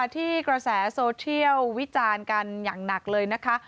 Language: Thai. ที่กระแสโซเชียลวิจารณ์กันอย่างหนักเลยนะคะ